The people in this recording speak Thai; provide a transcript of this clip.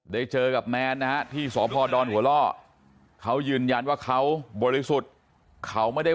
เจอกับแมนนะฮะที่สพดหัวล่อเขายืนยันว่าเขาบริสุทธิ์เขาไม่ได้